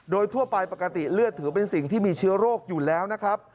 โดยทั่วไปปกติเลือดถือเป็นสิ่งที่มีเชื้อโรคอยู่แล้วนะครับ